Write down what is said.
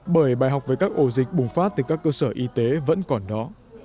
bởi bài học về các ổ dịch bùng phát từ các cơ sở y tế vẫn còn đó